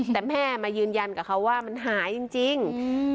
แต่แม่มายืนยันกับเขาว่ามันหายจริง